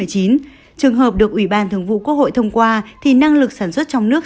trường hợp được ủy ban thường vụ quốc hội thông qua thì năng lực sản xuất trong nước